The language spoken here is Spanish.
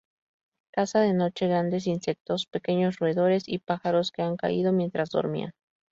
Caza de noche grandes insectos, pequeños roedores y pájaros que han caído mientras dormían.